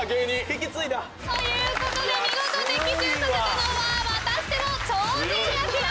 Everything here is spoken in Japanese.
引き継いだ。ということで見事的中させたのはまたしても超人アキラ！